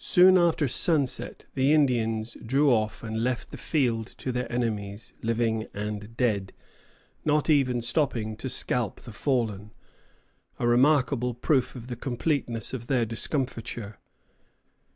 Soon after sunset the Indians drew off and left the field to their enemies, living and dead, not even stopping to scalp the fallen, a remarkable proof of the completeness of their discomfiture.